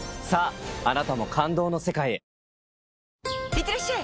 いってらっしゃい！